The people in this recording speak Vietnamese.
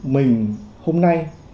mình hôm nay